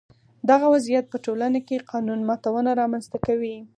دغه وضعیت په ټولنه کې قانون ماتونه رامنځته کوي.